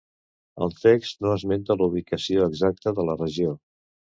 El text no esmenta la ubicació exacta de la regió.